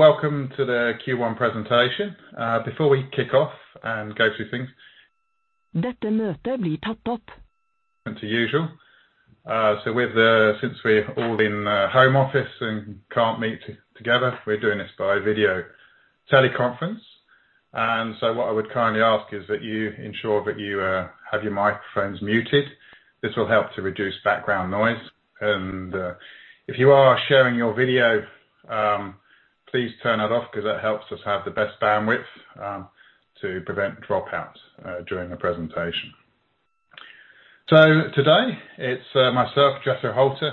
Welcome to the Q1 presentation. Before we kick off and go through things. As usual, since we're all in home office and can't meet together, we're doing this by video teleconference. What I would kindly ask is that you ensure that you have your microphones muted. This will help to reduce background noise. If you are sharing your video, please turn that off because that helps us have the best bandwidth to prevent dropouts during the presentation. Today, it's myself, Jethro Holter,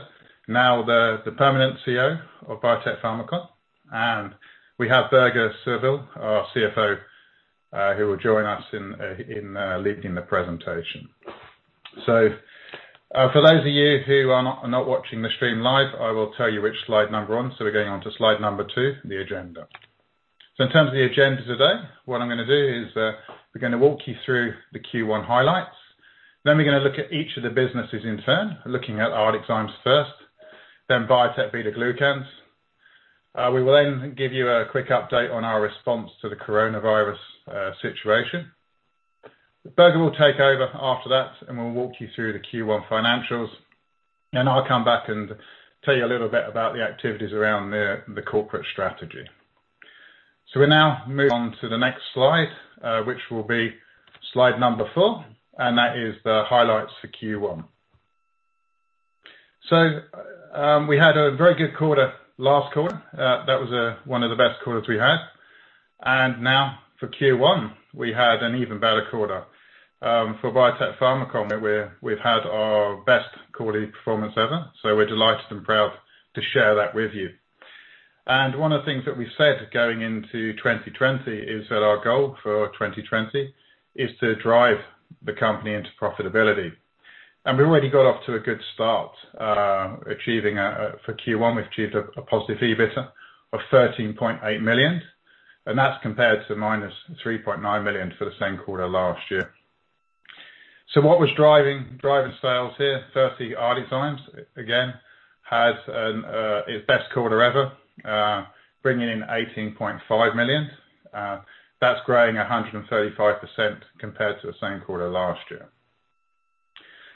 now the permanent CEO of Biotec Pharmacon, and we have Børge Sørvoll, our CFO, who will join us in leading the presentation. For those of you who are not watching the stream live, I will tell you which slide number I'm on we're going on to slide number two, the agenda. In terms of the agenda today, what I'm going to do is, we're going to walk you through the Q1 highlights. We're going to look at each of the businesses in turn, looking at ArcticZymes first, then Biotec BetaGlucans. We will then give you a quick update on our response to the Corona virus situation. Børge will take over after that, and will walk you through the Q1 financials, and I'll come back and tell you a little bit about the activities around the corporate strategy. We now move on to the next slide, which will be slide number four, and that is the highlights for Q1. We had a very good quarter last quarter. That was one of the best quarters we had. Now for Q1, we had an even better quarter. For Biotec Pharmacon, we've had our best quarterly performance ever we're delighted and proud to share that with you. One of the things that we said going into 2020 is that our goal for 2020 is to drive the company into profitability. We already got off to a good start. For Q1, we've achieved a positive EBITDA of 13.8 million, and that's compared to -3.9 million for the same quarter last year. What was driving sales here? firstly, ArcticZymes, again, has its best quarter ever, bringing in 18.5 million. That's growing 135% compared to the same quarter last year.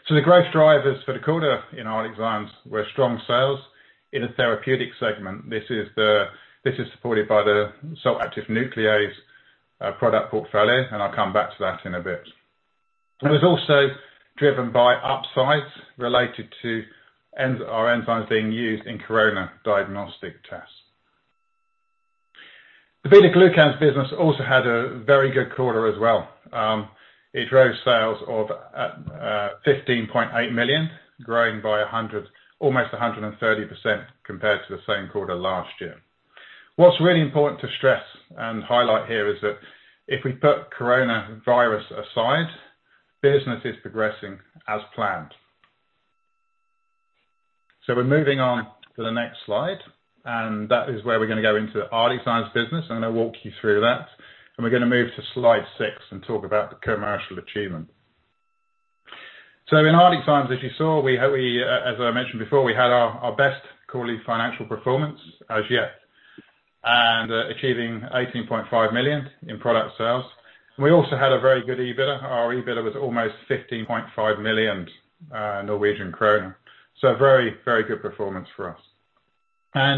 The growth drivers for the quarter in ArcticZymes were strong sales in the therapeutics segment this is supported by the salt-active nuclease product portfolio, and I'll come back to that in a bit. It was also driven by upsides related to our enzymes being used in Corona diagnostic tests. The beta-glucan business also had a very good quarter as well. It drove sales of 15.8 million, growing by almost 130% compared to the same quarter last year. What's really important to stress and highlight here is that if we put Corona virus aside, business is progressing as planned. We're moving on to the next slide, and that is where we're going to go into the ArcticZymes business i'm going to walk you through that, and we're going to move to slide six and talk about the commercial achievement. In ArcticZymes, as you saw, as I mentioned before, we had our best quarterly financial performance as yet and achieving 18.5 million in product sales. We also had a very good EBITDA our EBITDA was almost 15.5 million Norwegian kroner. Very good performance for us.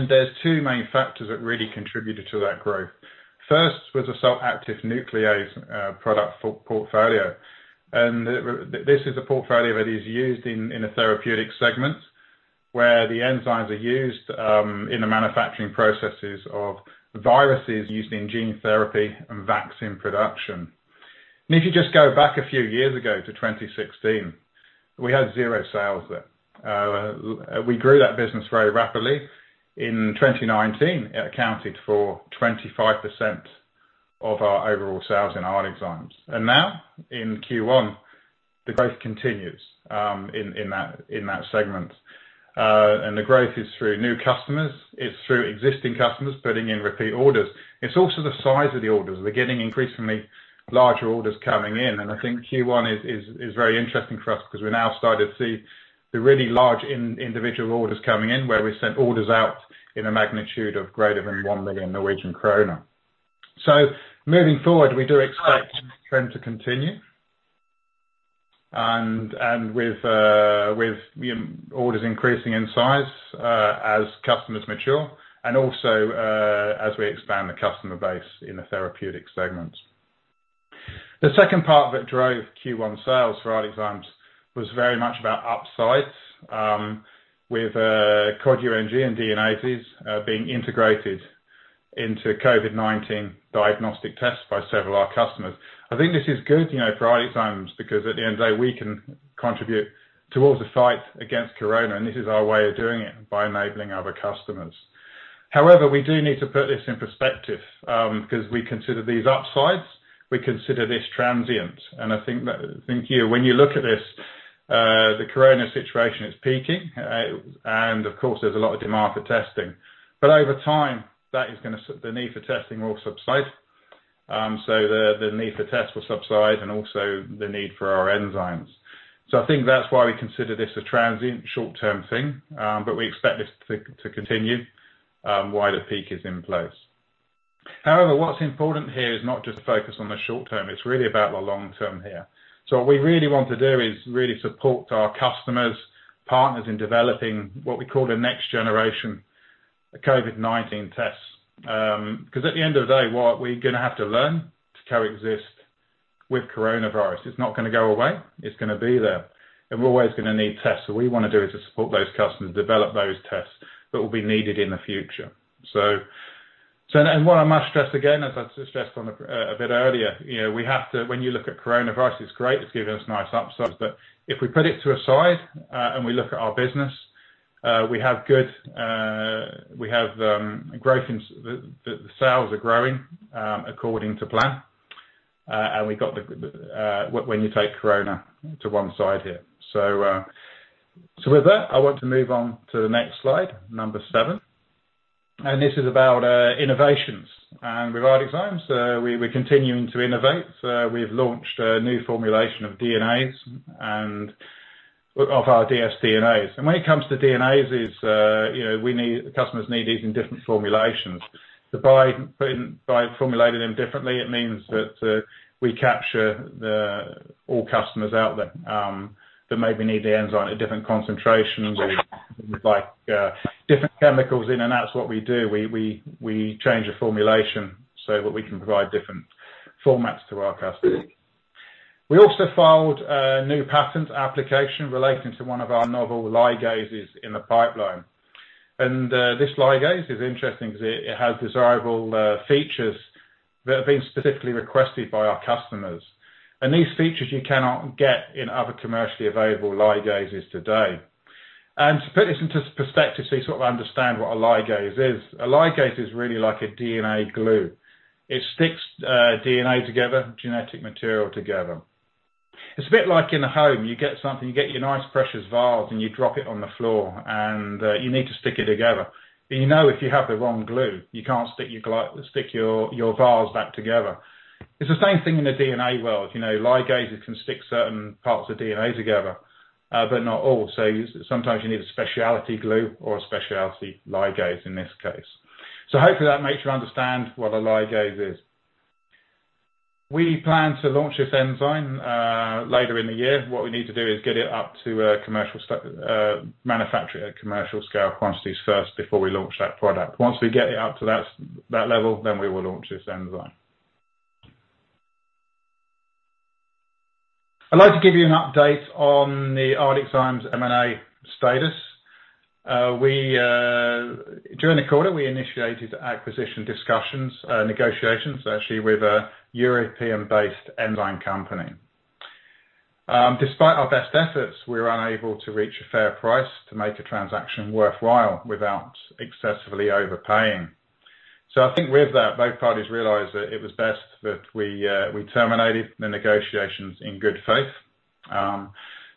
There's two main factors that really contributed to that growth. First was the salt-active nuclease product portfolio. This is a portfolio that is used in the therapeutics segment, where the enzymes are used in the manufacturing processes of viruses used in gene therapy and vaccine production. If you just go back a few years ago to 2016, we had zero sales there. We grew that business very rapidly. In 2019, it accounted for 25% of our overall sales in ArcticZymes and now in Q1, the growth continues in that segment. The growth is through new customers, it's through existing customers putting in repeat orders. It's also the size of the orders we're getting increasingly larger orders coming in, and I think Q1 is very interesting for us because we're now starting to see the really large individual orders coming in where we sent orders out in a magnitude of greater than 1 million Norwegian kroner. Moving forward, we do expect this trend to continue and with orders increasing in size as customers mature and also, as we expand the customer base in the therapeutics segment. The second part that drove Q1 sales for ArcticZymes was very much about upsides, with Cod UNG and DNases being integrated into COVID-19 diagnostic tests by several of our customers. I think this is good for ArcticZymes because at the end of the day, we can contribute towards the fight against Corona, and this is our way of doing it by enabling other customers. However, we do need to put this in perspective, because we consider these upsides, we consider this transient. I think here, when you look at this. The Corona situation is peaking and of course, there's a lot of demand for testing, but over time, the need for testing will subside. The need for tests will subside and also the need for our enzymes. I think that's why we consider this a transient short-term thing, but we expect this to continue while the peak is in place. However, what's important here is not just to focus on the short term, it's really about the long term here. What we really want to do is really support our customers, partners in developing what we call the next generation of COVID-19 tests. Because at the end of the day, what we're going to have to learn to coexist with Corona virus it's not going to go away. It's going to be there, and we're always going to need tests what we want to do is to support those customers, develop those tests that will be needed in the future. What I must stress again, as I stressed a bit earlier, when you look at Corona virus, it's great. It's given us nice upsides if we put it to a side and we look at our business, we have growth, the sales are growing according to plan. When you take Corona to one side here so with that, I want to move on to the next slide, number seven. This is about innovations with ArcticZymes, we're continuing to innovate. We've launched a new formulation of DNase and of our dsDNase, when it comes to DNase, the customers need these in different formulations. By formulating them differently, it means that we capture all customers out there that maybe need the enzyme at different concentrations or would like different chemicals in, and that's what we do we change the formulation so that we can provide different formats to our customers. We also filed a new patent application relating to one of our novel ligases in the pipeline. This ligase is interesting because it has desirable features that have been specifically requested by our customers. These features you cannot get in other commercially available ligases today. To put this into perspective, you sort of understand what a ligase is. A ligase is really like a DNA glue. It sticks DNA together, genetic material together. It's a bit like in the home, you get something, you get your nice precious vase, and you drop it on the floor, and you need to stick it together. You know if you have the wrong glue, you can't stick your vase back together. It's the same thing in the DNA world. Ligases can stick certain parts of DNA together but not all, sometimes you need a specialty glue or a specialty ligase in this case. Hopefully that makes you understand what a ligase is. We plan to launch this enzyme later in the year what we need to do is get it up to manufacture at commercial scale quantities first before we launch that product, once we get it up to that level, we will launch this enzyme. I'd like to give you an update on the ArcticZymes M&A status. During the quarter, we initiated acquisition discussions, negotiations actually, with a European-based enzyme company. Despite our best efforts, we were unable to reach a fair price to make the transaction worthwhile without excessively overpaying. I think with that, both parties realized that it was best that we terminated the negotiations in good faith.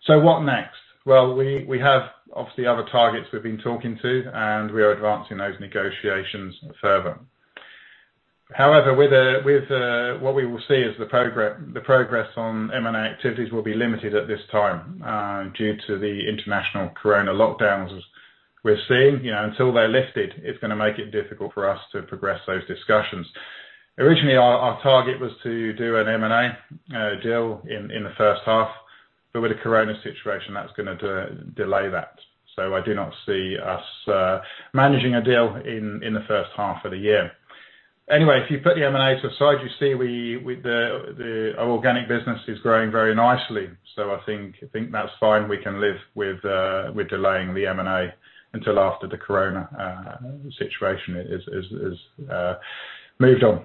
What next? well, we have obviously other targets we've been talking to, and we are advancing those negotiations further. However, what we will see is the progress on M&A activities will be limited at this time due to the international COVID-19 lockdowns we're seeing until they're lifted, it's going to make it difficult for us to progress those discussions. Originally, our target was to do an M&A deal in the first half. With the Corona situation, that's going to delay that. I do not see us managing a deal in the first half of the year. Anyway, if you put the M&A to the side, you see our organic business is growing very nicely. I think that's fine we can live with delaying the M&A until after the COVID-19 situation has moved on.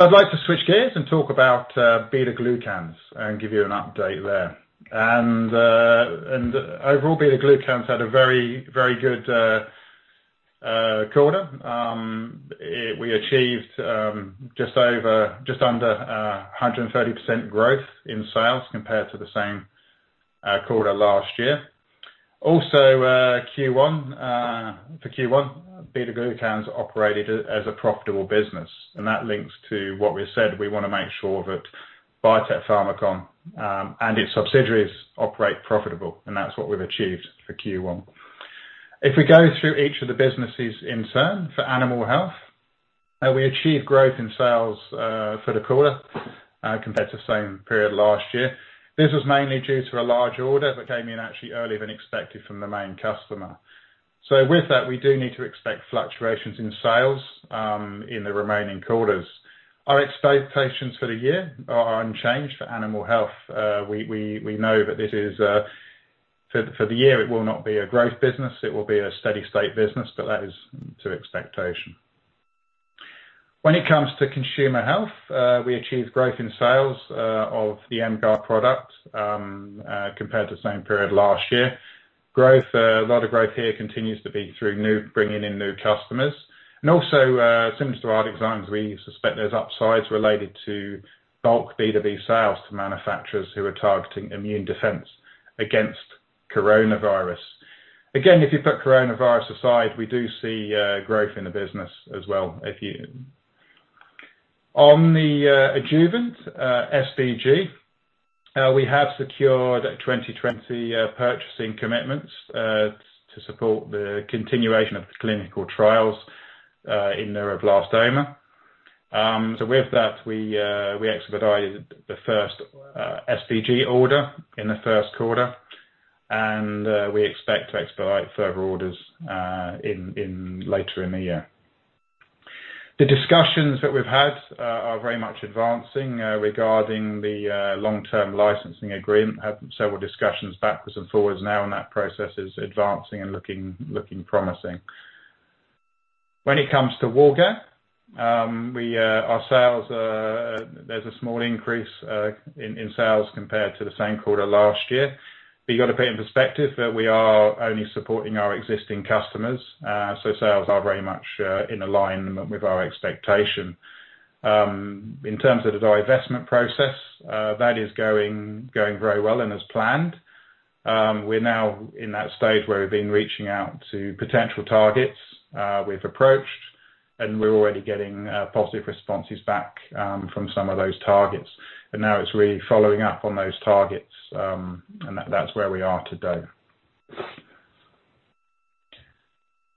I'd like to switch gears and talk about beta-glucans and give you an update there. Overall, beta-glucans had a very good quarter. We achieved just under 130% growth in sales compared to the same quarter last year. For Q1, beta-glucans operated as a profitable business, and that links to what we said we want to make sure that Biotec Pharmacon and its subsidiaries operate profitable, and that's what we've achieved for Q1. If we go through each of the businesses in turn, for animal health, we achieved growth in sales for the quarter compared to the same period last year. This was mainly due to a large order that came in actually earlier than expected from the main customer. With that, we do need to expect fluctuations in sales in the remaining quarters. Our expectations for the year are unchanged for animal health. We know that for the year, it will not be a growth business, it will be a steady state business, but that is to expectation. When it comes to consumer health, we achieved growth in sales of the M-Gard product compared to the same period last year. Growth, a lot of growth here continues to be through bringing in new customers. Similar to our designs, we suspect there's upsides related to bulk B2B sales to manufacturers who are targeting immune defense against Corona virus. If you put Corona virus aside, we do see growth in the business as well. On the adjuvant, SBG, we have secured 2020 purchasing commitments to support the continuation of the clinical trials in neuroblastoma. With that, we expedited the first SBG order in the Q1, and we expect to expedite further orders later in the year. The discussions that we've had are very much advancing regarding the long-term licensing agreement had several discussions backwards and forwards now, that process is advancing and looking promising. When it comes to Woulgan, there's a small increase in sales compared to the same quarter last year. You got to put it in perspective that we are only supporting our existing customers. Sales are very much in alignment with our expectation. In terms of our divestment process, that is going very well and as planned. We're now in that stage where we've been reaching out to potential targets. We've approached, and we're already getting positive responses back from some of those targets. Now it's really following up on those targets, and that's where we are today.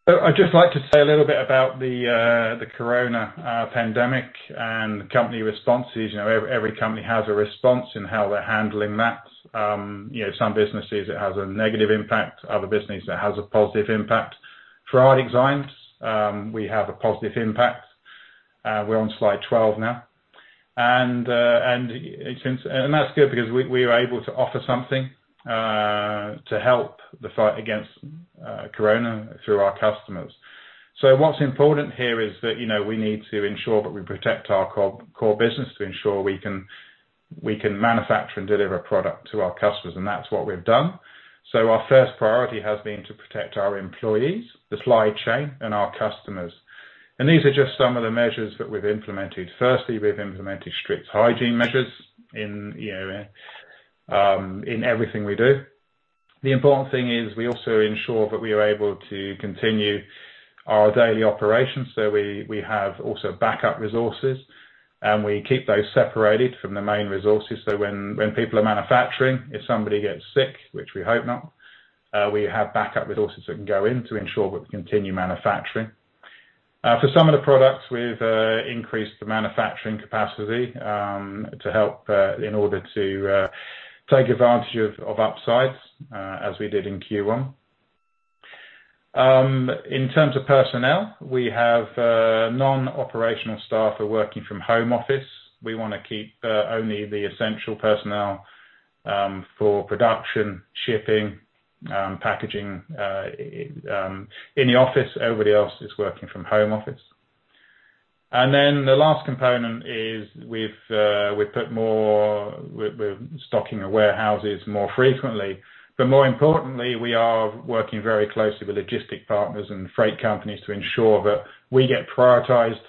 I'd just like to say a little bit about the Corona pandemic and company responses, every company has a response in how they're handling that. Some businesses, it has a negative impact, other business, it has a positive impact. For ArcticZymes, we have a positive impact. We're on slide 12 now. That's good because we are able to offer something to help the fight against Corona through our customers. What's important here is that we need to ensure that we protect our core business to ensure we can manufacture and deliver product to our customers, and that's what we've done. Our first priority has been to protect our employees, the supply chain, and our customers. These are just some of the measures that we've implemented firstly, we've implemented strict hygiene measures in everything we do. The important thing is we also ensure that we are able to continue our daily operations we have also backup resources, and we keep those separated from the main resources when people are manufacturing, if somebody gets sick, which we hope not, we have backup resources that can go in to ensure that we continue manufacturing. For some of the products, we've increased the manufacturing capacity to help in order to take advantage of upsides as we did in Q1. In terms of personnel, we have non-operational staff are working from home office. We want to keep only the essential personnel for production, shipping, packaging in the office everybody else is working from home office. The last component is we're stocking the warehouses more frequently. More importantly, we are working very closely with logistic partners and freight companies to ensure that we get prioritized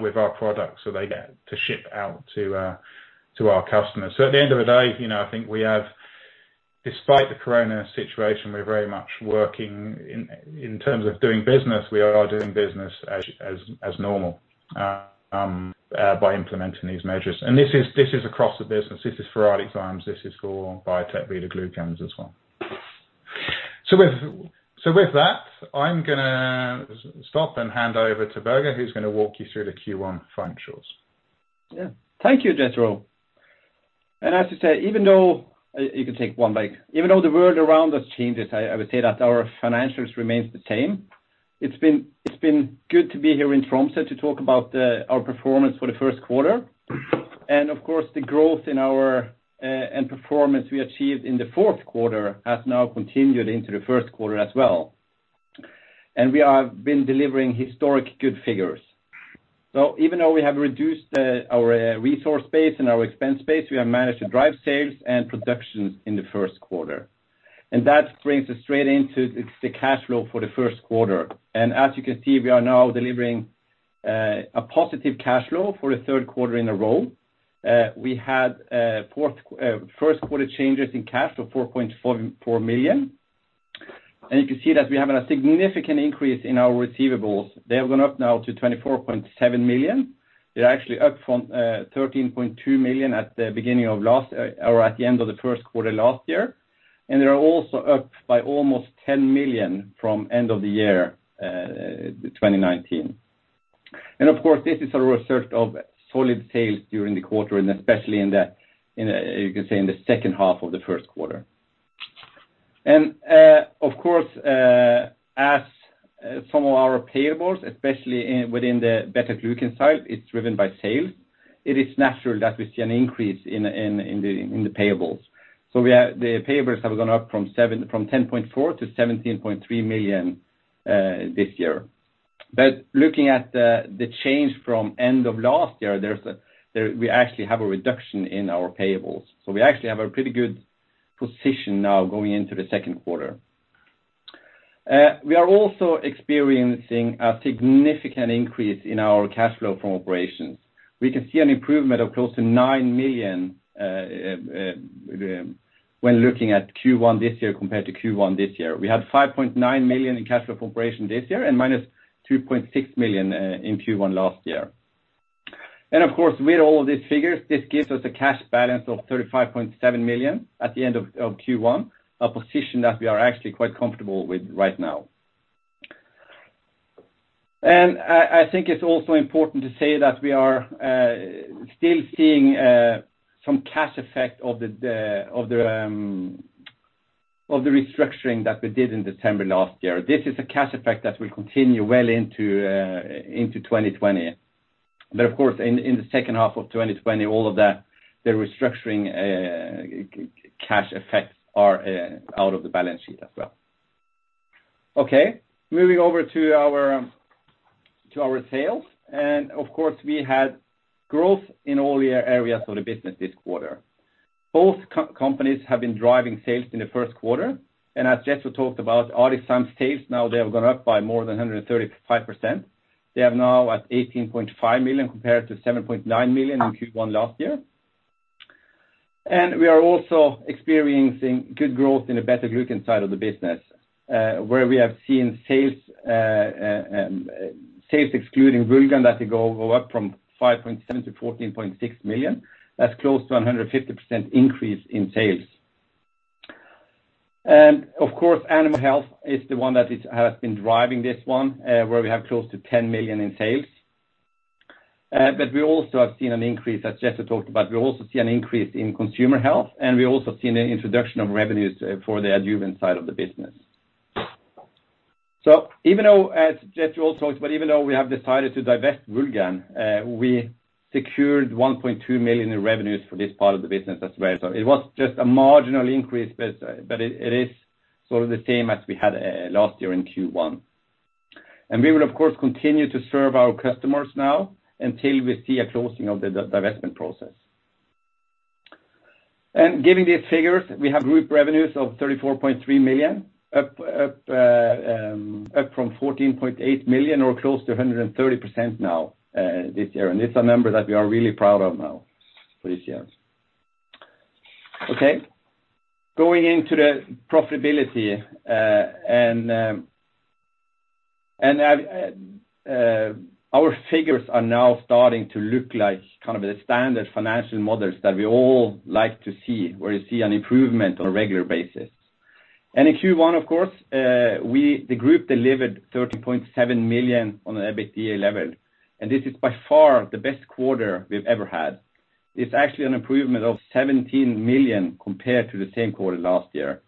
with our products so they get to ship out to our customers at the end of the day, I think despite the Corona situation, we're very much working in terms of doing business we are doing business as normal by implementing these measures and this is across the business this is for ArcticZymes, this is for Biotec BetaGlucans as well. With that, I'm going to stop and hand over to Børge, who's going to walk you through the Q1 financials. Yeah. Thank you, Jethro. I have to say, you can take one back. Even though the world around us changes, I would say that our financials remains the same. It's been good to be here in Tromsø to talk about our performance for the Q1. Of course, the growth and performance we achieved in the Q4 has now continued into the Q1 as well. We have been delivering historic good figures. Even though we have reduced our resource base and our expense base, we have managed to drive sales and productions in the Q1. That brings us straight into the cash flow for the Q1, and as you can see, we are now delivering a positive cash flow for the Q3 in a row. We had Q1 changes in cash of 4.44 million. You can see that we are having a significant increase in our receivables. They have gone up now to 24.7 million. They're actually up from 13.2 million at the end of the Q1 last year. They're also up by almost 10 million from end of the year 2019. Of course, this is a result of solid sales during the quarter, and especially you can say in the second half of the Q1. Of course, as some of our payables, especially within the beta-glucan side, it's driven by sales. It is natural that we see an increase in the payables. The payables have gone up from 10.4 million-17.3 million this year. Looking at the change from end of last year, we actually have a reduction in our payables, we actually have a pretty good position now going into the Q2. We are also experiencing a significant increase in our cash flow from operations. We can see an improvement of close to 9 million when looking at Q1 this year compared to Q1 last year we had 5.9 million in cash flow from operations this year and -2.6 million in Q1 last year. Of course, with all of these figures, this gives us a cash balance of 35.7 million at the end of Q1, a position that we are actually quite comfortable with right now. I think it's also important to say that we are still seeing some cash effect of the restructuring that we did in December last year this is a cash effect that will continue well into 2020. Of course, in the second half of 2020, all of the restructuring cash effects are out of the balance sheet as well. Okay, moving over to our sales, and of course, we had growth in all the areas of the business this quarter. Both companies have been driving sales in the Q1, and as Jethro talked about, ArcticZymes sales now they have gone up by more than 135%. They are now at 18.5 million compared to 7.9 million in Q1 last year. We are also experiencing good growth in the beta-glucan side of the business, where we have seen sales excluding Woulgan that go up from 5.7 million-14.6 million. That's close to 150% increase in sales. Of course, animal health is the one that has been driving this one, where we have close to 10 million in sales. We also have seen an increase, as Jethro talked about, we also see an increase in consumer health, and we also seen an introduction of revenues for the adjuvant side of the business. Even though, as Jethro also talked about, even though we have decided to divest Woulgan, we secured 1.2 million in revenues for this part of the business as well it was just a marginal increase, but it is sort of the same as we had last year in Q1. We will of course, continue to serve our customers now until we see a closing of the divestment process. Giving these figures, we have group revenues of 34.3 million up from 14.8 million or close to 130% now this year. It's a number that we are really proud of now for this year. Okay. Going into the profitability. Our figures are now starting to look like kind of the standard financial models that we all like to see, where you see an improvement on a regular basis. In Q1, of course, the group delivered 13.7 million on an EBITDA level, and this is by far the best quarter we've ever had. It's actually an improvement of 17 million compared to the same quarter last year.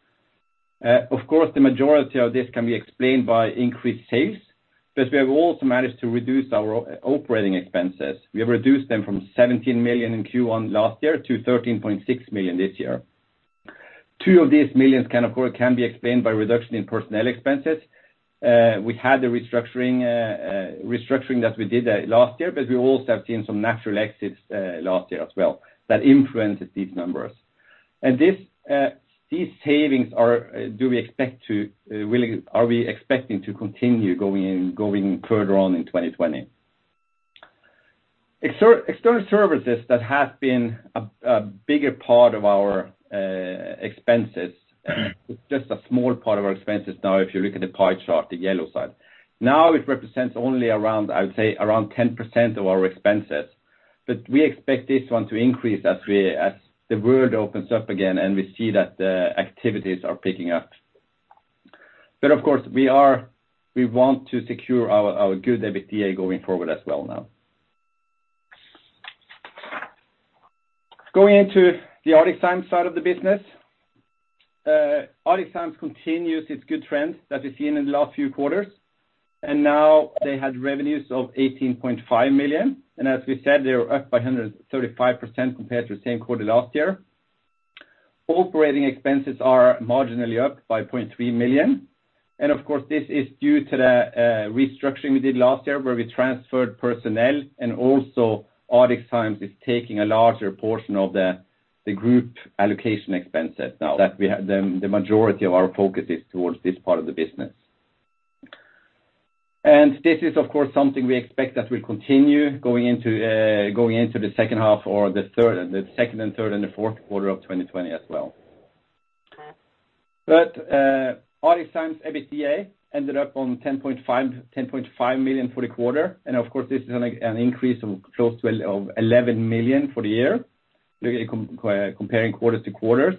Of course, the majority of this can be explained by increased sales, but we have also managed to reduce our operating expenses we have reduced them from 17 million in Q1 last year to 13.6 million this year. Two of these millions can, of course, be explained by reduction in personnel expenses. We had the restructuring that we did last year, but we also have seen some natural exits last year as well that influenced these numbers. These savings are we expecting to continue going further on in 2020. External services that have been a bigger part of our expenses, it's just a small part of our expenses now if you look at the pie chart, the yellow side. Now it represents only around, I would say, 10% of our expenses. We expect this one to increase as the world opens up again, and we see that the activities are picking up. Of course, we want to secure our good EBITDA going forward as well now. Going into the ArcticZymes side of the business. ArcticZymes continues its good trends that we've seen in the last few quarters. They had revenues of 18.5 million, and as we said, they were up by 135% compared to the same quarter last year. Operating expenses are marginally up by 0.3 million. This is due to the restructuring we did last year where we transferred personnel, and also ArcticZymes is taking a larger portion of the group allocation expenses now that the majority of our focus is towards this part of the business. This is of course something we expect that will continue going into the second half or the Q3 and Q4 of 2020 as well. ArcticZymes EBITDA ended up on 10.5 million for the quarter. And of course an increase of close to 11 million for the year comparing quarters-to-quarters.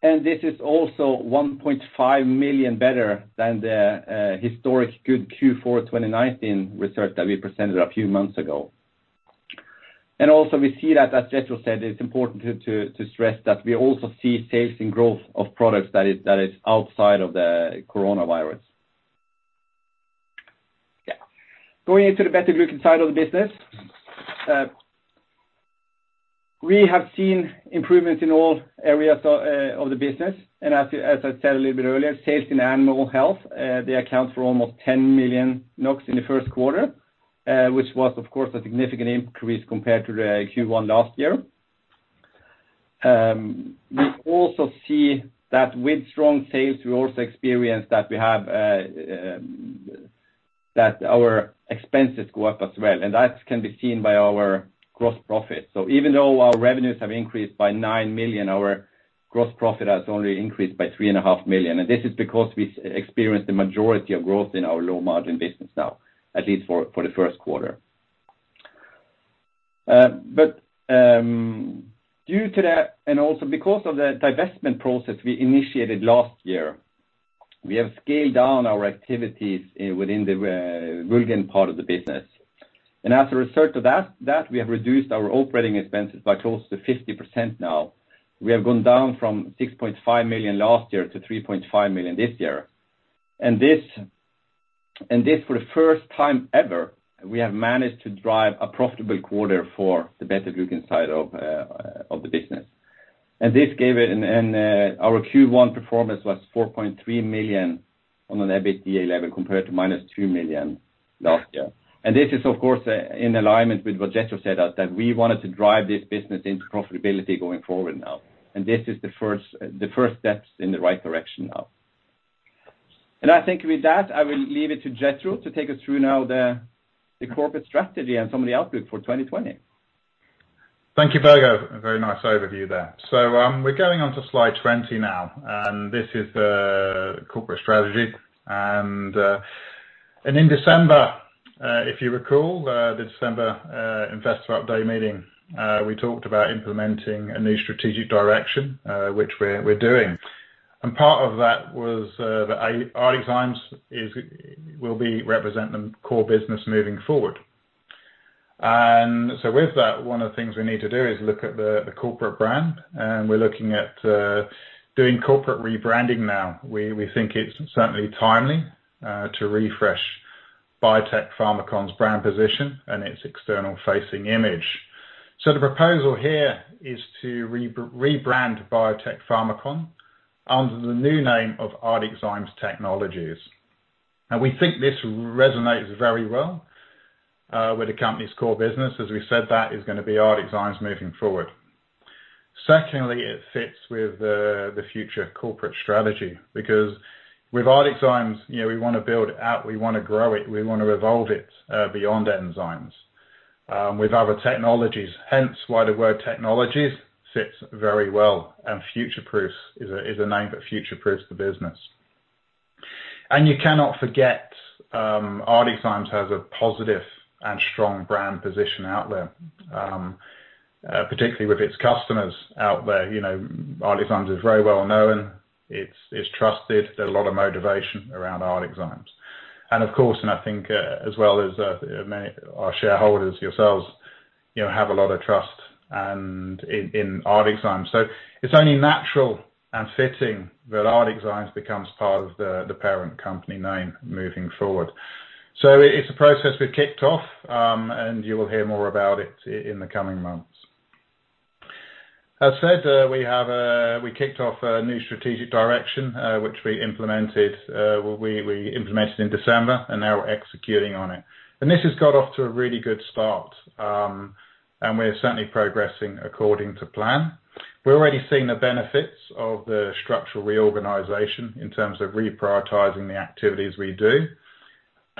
This is also 1.5 million better than the historic good Q4 2019 result that we presented a few months ago. Also we see that, as Jethro said, it's important to stress that we also see sales and growth of products that is outside of the Corona virus. Going into the beta-glucan side of the business. We have seen improvements in all areas of the business. As I said a little bit earlier, sales in animal health, they account for almost 10 million NOK in the Q1, which was of course a significant increase compared to the Q1 last year. We also see that with strong sales, we also experience that our expenses go up as well, that can be seen by our gross profit, even though our revenues have increased by 9 million, our gross profit has only increased by 3.5 million and this is because we experience the majority of growth in our low-margin business now, at least for the Q1. Due to that, and also because of the divestment process we initiated last year, we have scaled down our activities within the glucan part of the business. As a result of that, we have reduced our operating expenses by close to 50% now. We have gone down from 6.5 million last year to 3.5 million this year. This for the first time ever, we have managed to drive a profitable quarter for the beta-glucan side of the business. Our Q1 performance was 4.3 million on an EBITDA level compared to -2 million last year. This is, of course, in alignment with what Jethro said, that we wanted to drive this business into profitability going forward now. This is the first steps in the right direction now. I think with that, I will leave it to Jethro to take us through now the corporate strategy and some of the outlook for 2020. Thank you, Børge a very nice overview there. We're going on to slide 20 now, and this is the corporate strategy. In December, if you recall, the December Investors Update Meeting, we talked about implementing a new strategic direction, which we're doing. Part of that was that ArcticZymes will be representing the core business moving forward. With that, one of the things we need to do is look at the corporate brand, and we're looking at doing corporate rebranding now. We think it's certainly timely to refresh Biotec Pharmacon's brand position and its external facing image. The proposal here is to rebrand Biotec Pharmacon under the new name of ArcticZymes Technologies. Now, we think this resonates very well with the company's core business as we said, that is going to be ArcticZymes moving forward. Secondly, it fits with the future corporate strategy because with ArcticZymes, we want to build it out, we want to grow it, we want to evolve it beyond enzymes with other technologies hence why the word "technologies" sits very well, is a name that future-proofs the business. You cannot forget ArcticZymes has a positive and strong brand position out there, particularly with its customers out there you know, ArcticZymes is very well known. It's trusted there's a lot of motivation around ArcticZymes. Of course, and I think as well as many our shareholders yourselves have a lot of trust in ArcticZymes so, it's only natural and fitting that ArcticZymes becomes part of the parent company name moving forward. It's a process we've kicked off, and you will hear more about it in the coming months. As said, we kicked off a new strategic direction, which we implemented in December and now we're executing on it. This has got off to a really good start, and we're certainly progressing according to plan. We're already seeing the benefits of the structural reorganization in terms of reprioritizing the activities we do,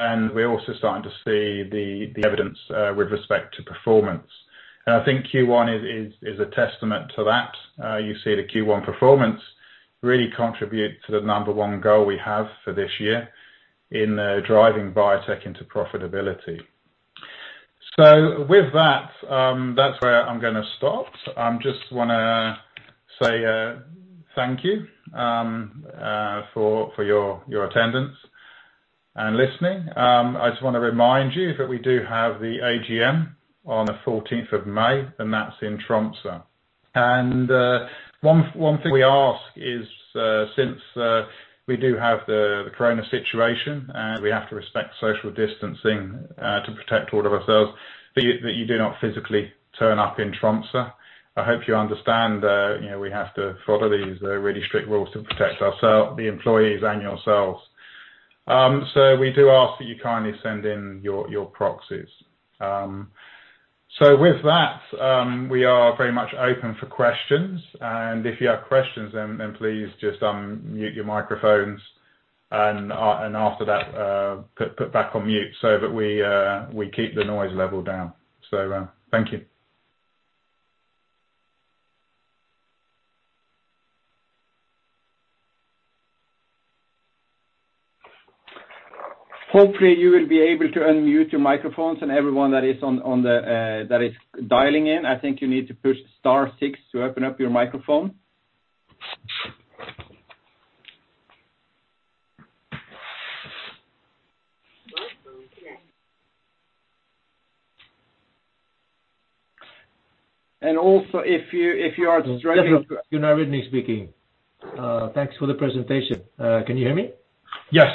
and we're also starting to see the evidence with respect to performance. I think Q1 is a testament to that. You see the Q1 performance really contribute to the number one goal we have for this year in driving biotech into profitability. With that's where I'm going to stop. I just want to say thank you for your attendance and listening. I just want to remind you that we do have the AGM on the 14 May, and that's in Tromsø. One thing we ask is since we do have the COVID-19 situation, we have to respect social distancing to protect all of ourselves, that you do not physically turn up in Tromsø. I hope you understand we have to follow these really strict rules to protect ourselves, the employees, and yourselves. We do ask that you kindly send in your proxies. With that, we are very much open for questions, and if you have questions, then please just unmute your microphones and after that put back on mute so that we keep the noise level down. Thank you. Hopefully you will be able to unmute your microphones and everyone that is dialing in, I think you need to push star six to open up your microphone. Also if you are struggling- Gunnar Widny speaking. Thanks for the presentation can you hear me? Yes.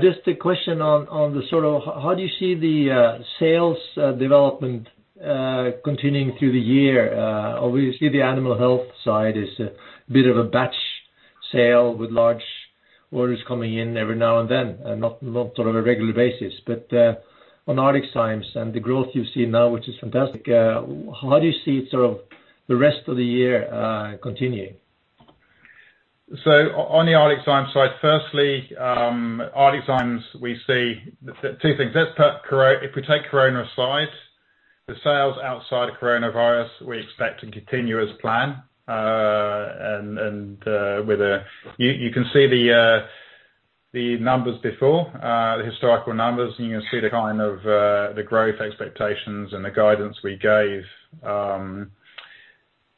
Just a question on the sort of how do you see the sales development continuing through the year? Obviously, the animal health side is a bit of a batch sale with large orders coming in every now and then, and not sort of a regular basis. On ArcticZymes and the growth you've seen now, which is fantastic, how do you see sort of the rest of the year continuing? On the ArcticZymes side, firstly, ArcticZymes, we see two things if we take Corona aside, the sales outside of Corona virus, we expect to continue as planned. You can see the numbers before, the historical numbers, and you can see the kind of the growth expectations and the guidance we gave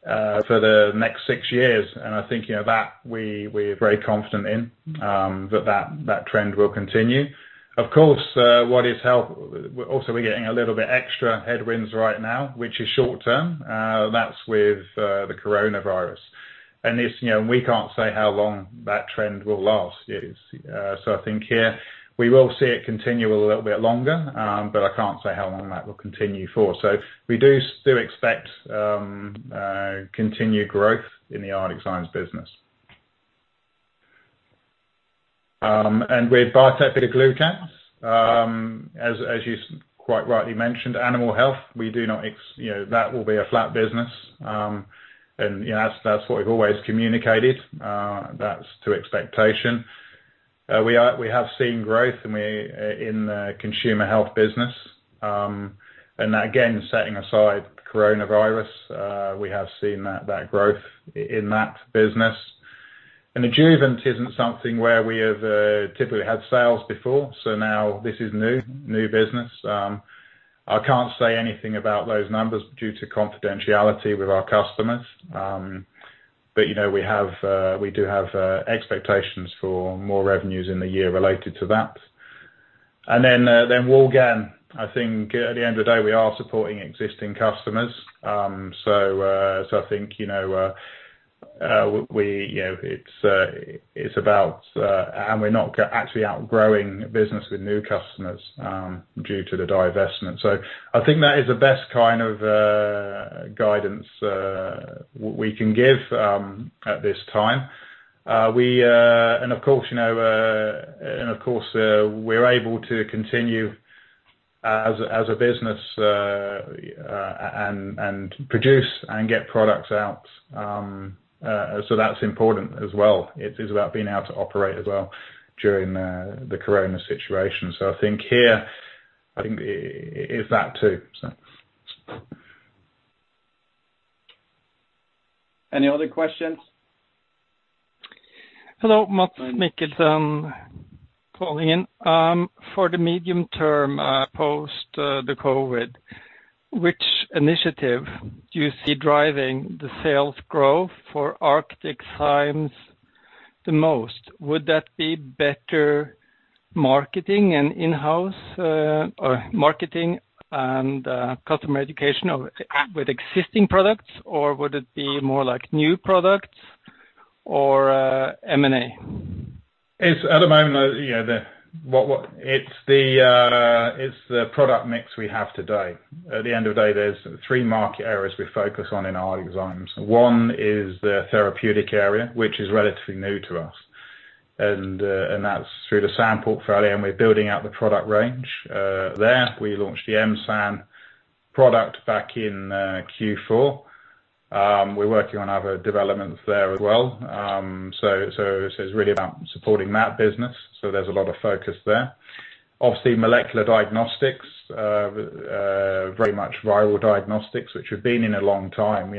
for the next six years and i think, that we're very confident in, that that trend will continue. Of course, also we're getting a little bit extra headwinds right now, which is short-term. That's with the Corona virus. We can't say how long that trend will last. I think here we will see it continue a little bit longer, but I can't say how long that will continue for. We do expect continued growth in the ArcticZymes business. With Biotec beta-glucan, as you quite rightly mentioned, animal health, that will be a flat business. That's what we've always communicated, that's to expectation. We have seen growth in the consumer health business. That, again, setting aside Corona virus, we have seen that growth in that business. Adjuvant isn't something where we have typically had sales before so now this is new business. I can't say anything about those numbers due to confidentiality with our customers. We do have expectations for more revenues in the year related to that. Then Woulgan, I think at the end of the day, we are supporting existing customers. We're not actually out growing business with new customers due to the divestment so i think that is the best kind of guidance we can give at this time. Of course, we're able to continue as a business and produce and get products out. That's important as well. It is about being able to operate as well during the Corona situation so i think here, I think it's that too. Any other questions? Hello, Mats Mikaelsson calling in. For the medium term, post the COVID, which initiative do you see driving the sales growth for ArcticZymes the most? would that be better marketing and in-house? or marketing and customer education with existing products? or would it be more like new products or M&A? At the moment, it's the product mix we have today. At the end of the day, there's three market areas we focus on in ArcticZymes one is the therapeutic area, which is relatively new to us. That's through the SAN portfolio, and we're building out the product range there we launched the M-SAN HQ product back in Q4. We're working on other developments there as well. It's really about supporting that business. There's a lot of focus there. Obviously, molecular diagnostics, very much viral diagnostics, which have been in a long time.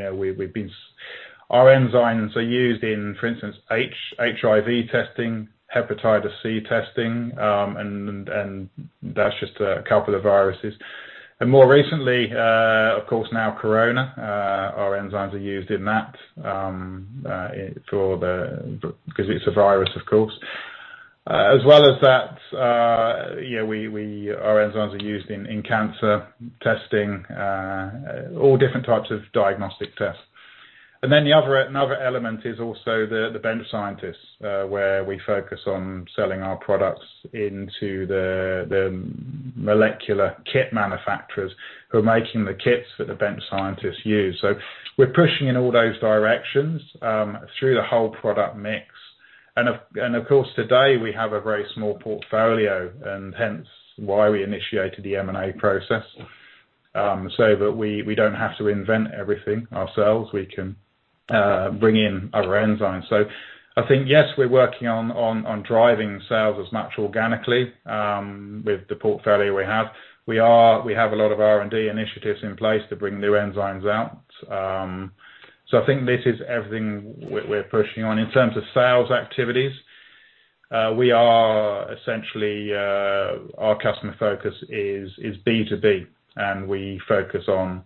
Our enzymes are used in, for instance, HIV testing, hepatitis C testing, and that's just a couple of viruses. More recently, of course, now Corona, our enzymes are used in that, because it's a virus, of course. As well as that, our enzymes are used in cancer testing, all different types of diagnostic tests. Another element is also the bench scientists, where we focus on selling our products into the molecular kit manufacturers who are making the kits that the bench scientists use. We're pushing in all those directions through the whole product mix. Of course, today we have a very small portfolio, and hence why we initiated the M&A process, so that we don't have to invent everything ourselves we can bring in our enzymes so- -I think, yes, we're working on driving sales as much organically with the portfolio we have. We have a lot of R&D initiatives in place to bring new enzymes out. I think this is everything we're pushing on in terms of sales activities, essentially our customer focus is B2B, and we focus on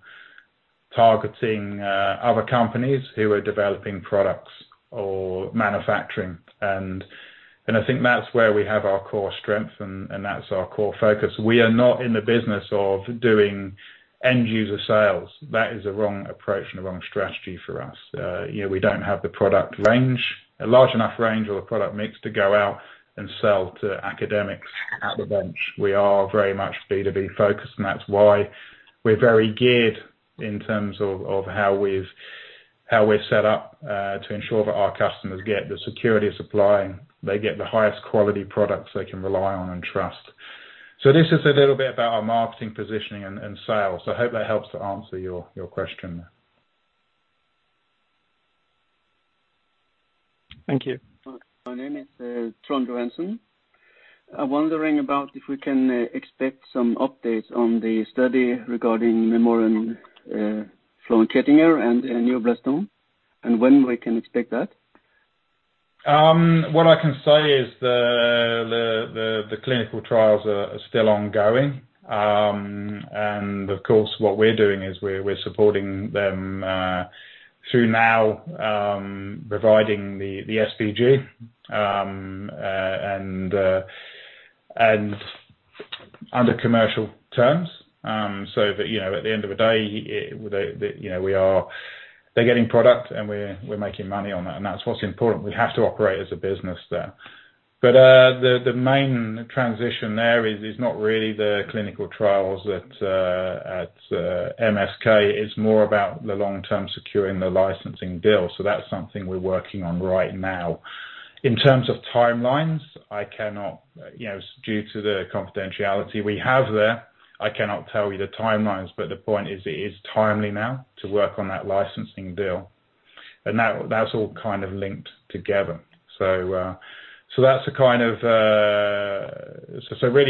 targeting other companies who are developing products or manufacturing. I think that's where we have our core strength, and that's our core focus we are not in the business of doing end-user sales. That is the wrong approach and the wrong strategy for us. We don't have the product range, a large enough range or the product mix to go out and sell to academics at the bench we are very much B2B-focused, and that's why we're very geared in terms of how we're set up to ensure that our customers get the security of supply, and they get the highest quality products they can rely on and trust. This is a little bit about our marketing positioning and sales. I hope that helps to answer your question. Thank you. My name is Tron Johansen. I'm wondering about if we can expect some updates on the study regarding Memorx, FLOVENT, Kettinger, and Neuroblastoma, and when we can expect that? What I can say is the clinical trials are still ongoing. Of course, what we're doing is we're supporting them through now providing the SBG under commercial terms. That at the end of the day, they're getting product, and we're making money on that, and that's what's important we have to operate as a business there. The main transition there is not really the clinical trials at MSK it's more about the long-term securing the licensing deal so that's something we're working on right now. In terms of timelines, due to the confidentiality we have there, I cannot tell you the timelines, but the point is it is timely now to work on that licensing deal. That's all kind of linked together. Really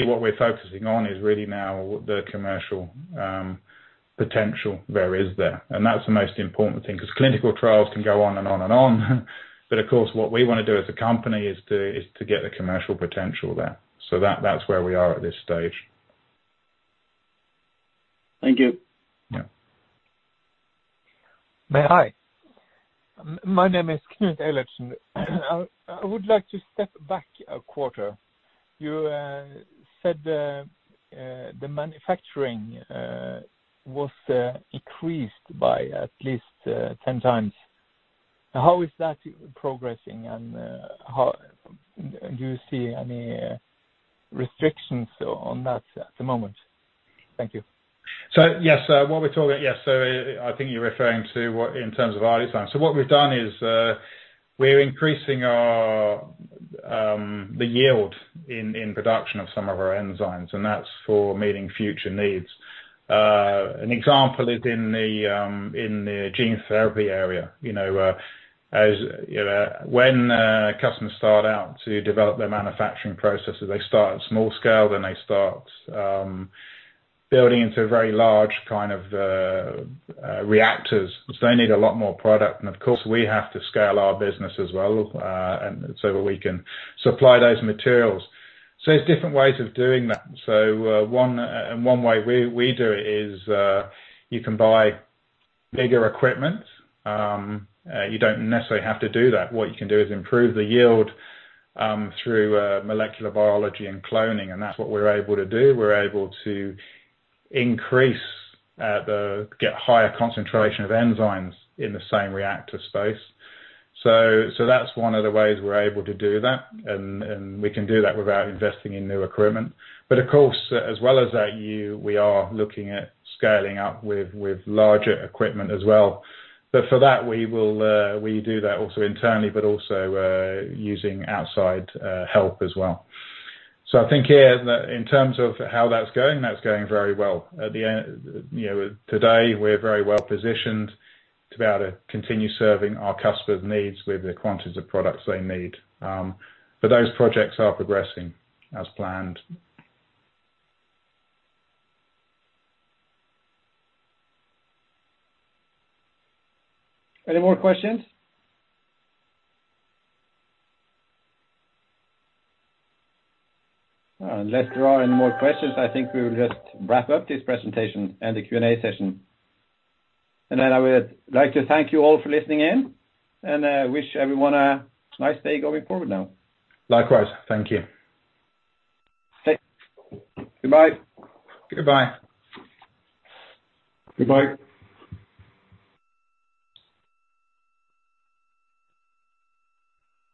what we're focusing on is really now the commercial potential there is there, and that's the most important thing, because clinical trials can go on and on and on. But of course, what we want to do as a company is to get the commercial potential there. That's where we are at this stage. Thank you. Yeah. Hi. My name is Knut Ellefsen. I would like to step back a quarter. You said the manufacturing was increased by at least 10 times. How is that progressing? and do you see any restrictions on that at the moment? Thank you. Yes. I think you're referring to in terms of ArcticZymes what we've done is we're increasing the yield in production of some of our enzymes, and that's for meeting future needs. An example is in the gene therapy area. When customers start out to develop their manufacturing processes, they start small scale, then they start building into very large kind of reactors. They need a lot more product, and of course, we have to scale our business as well so that we can supply those materials. There's different ways of doing that. One way we do it is you can buy bigger equipment. You don't necessarily have to do that what you can do is improve the yield through molecular biology and cloning, and that's what we're able to do we're able to get higher concentration of enzymes in the same reactor space. That's one of the ways we're able to do that, and we can do that without investing in new equipment. And of course, as well as that, we are looking at scaling up with larger equipment as well. For that, we do that also internally, but also using outside help as well. I think here, in terms of how that's going, that's going very well. Today, we're very well positioned to be able to continue serving our customers' needs with the quantities of products they need. Those projects are progressing as planned. Any more questions? Unless there are any more questions, I think we will just wrap up this presentation and the Q&A session. I would like to thank you all for listening in and wish everyone a nice day going forward now. Likewise. Thank you. Thanks. Goodbye. Goodbye. Goodbye.